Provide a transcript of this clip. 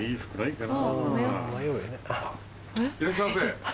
いらっしゃいませ。